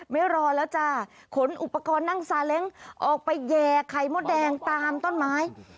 ไม่รอแล้วจ้าขนอุปกรณ์นั่งซาเล้งออกไปแย่ไข่มดแดงตามต้นไม้